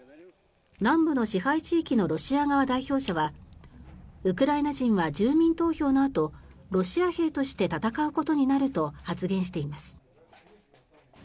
南部の支配地域のロシア側代表者はウクライナ人は住民投票のあとロシア兵として戦うことになると発言しています。